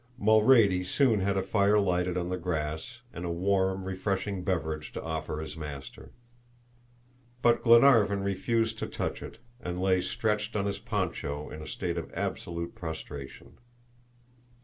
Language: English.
Mulrady soon had a fire lighted on the grass, and a warm refreshing beverage to offer his master. But Glenarvan refused to touch it, and lay stretched on his poncho in a state of absolute prostration.